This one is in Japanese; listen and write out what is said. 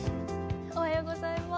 おはようございます。